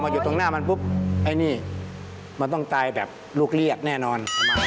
แล้วเห็นสายตาเขาแล้วไปเป็น